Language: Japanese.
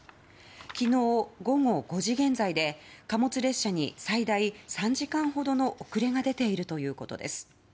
昨日午後５時現在で貨物列車に最大３時間ほどの遅れが出ているということです。